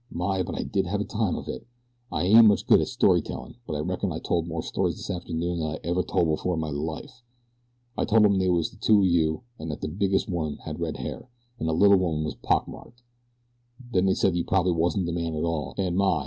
"My, but I did have a time of it! I ain't much good at story tellin' but I reckon I told more stories this arternoon than I ever tole before in all my life. I told 'em that they was two of you, an' that the biggest one hed red hair, an' the little one was all pock marked. Then they said you prob'ly wasn't the man at all, an' my!